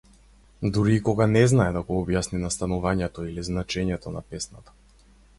Дури и кога не знае да го објасни настанувањето или значењето на песната.